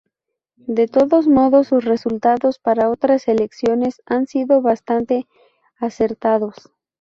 De todos modos, sus resultados para otras elecciones han sido bastante acertados.